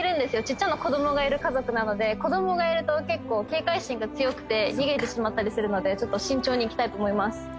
ちっちゃな子どもがいる家族なので子どもがいると結構警戒心が強くて逃げてしまったりするので慎重に行きたいと思います